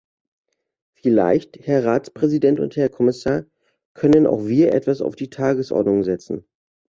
Vielleicht, Herr Ratspräsident und Herr Kommissar, können auch wir etwas auf die Tagesordnung setzen.